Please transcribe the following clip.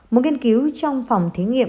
một nghiên cứu trong phòng thí nghiệm